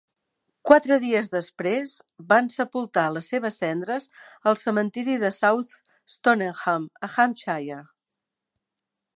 Quatre dies després, van sepultar les seves cendres al cementiri de South Stoneham, a Hampshire.